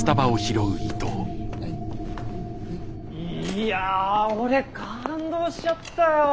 いや俺感動しちゃったよ。